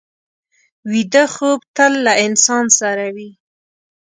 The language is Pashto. ویده خوب تل له انسان سره وي